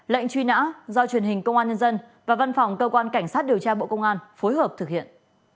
lệnh truy nã do truyền hình công an nhân dân và văn phòng cơ quan cảnh sát điều tra bộ công an phối hợp thực hiện